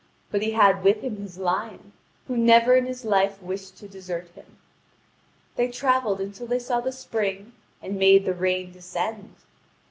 But he had with him his lion, who never in his life wished to desert him. They travelled until they saw the spring and made the rain descend.